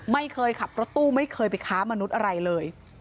ไม่เคยขับรถตู้ไม่เคยไปค้ามนุษย์อะไรเลย